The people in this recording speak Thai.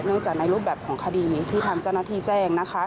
จากในรูปแบบของคดีที่ทางเจ้าหน้าที่แจ้งนะคะ